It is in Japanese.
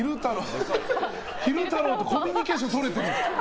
昼太郎とコミュニケーションとれてる。